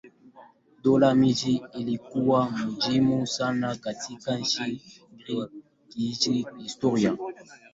Dola miji ilikuwa muhimu sana katika nchi nyingi kihistoria.